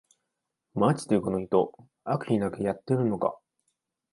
マジでこの人、悪意なくやってるのか